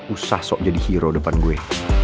usah sok jadi hero depan gue